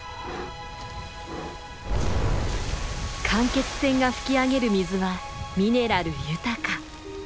間欠泉が噴き上げる水はミネラル豊か。